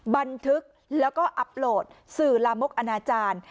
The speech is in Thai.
บันทึกแล้วก็อัพโหลดสื่อลามกอนาจารย์